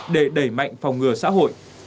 để đẩy mạnh phòng ngừa xã hội